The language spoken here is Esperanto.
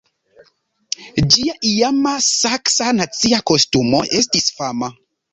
Ĝia iama saksa nacia kostumo estis fama.